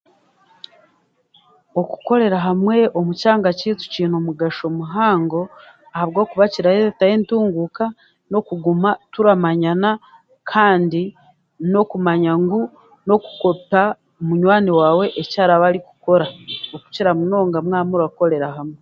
Okukorera hamwe omu kyanga kyaitu kiine omugasho muhango ahabwokuba kirareetaho entunguuka n'okuguma turamanyana, kandi n'okumanya ngu n'okukopa munywani waawe ekyaraba arakora okukira munonga mwaba murakorera hamwe.